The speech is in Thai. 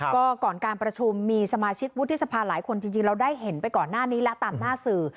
ก็ก่อนการประชุมมีสมาชิกวุฒิสภาหลายคนจริงเราได้เห็นไปก่อนหน้านี้และตามหน้าสื่อ